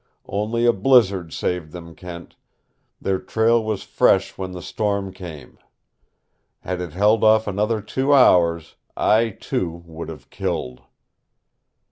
Only a blizzard saved them, Kent. Their trail was fresh when the storm came. Had it held off another two hours, I, too, would have killed.